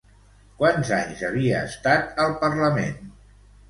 Quants anys havia estat al Parlament?